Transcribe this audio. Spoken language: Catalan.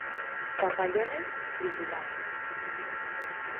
Papallones fritil·lars.